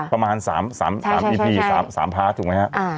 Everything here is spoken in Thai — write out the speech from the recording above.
ประมาณ๓พารตถงนะค่ะ